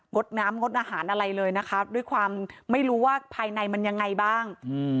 ดน้ำงดอาหารอะไรเลยนะคะด้วยความไม่รู้ว่าภายในมันยังไงบ้าง